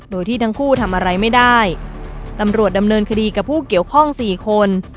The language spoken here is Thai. โดยที่ทั้งคู่ทำอะไรไม่ได้ตำรวจดำเนินคดีกับผู้เกี่ยวข้องสี่คน